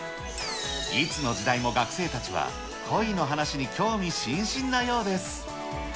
いつの時代も学生たちは、恋の話に興味津々のようです。